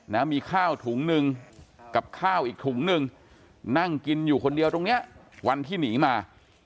นะมีข้าวถุงหนึ่งกับข้าวอีกถุงหนึ่งนั่งกินอยู่คนเดียวตรงเนี้ยวันที่หนีมา